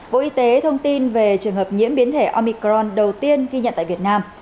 bộ y tế thông tin về trường hợp nhiễm biến thể omicron đầu tiên ghi nhận tại việt nam